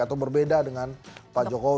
atau berbeda dengan pak jokowi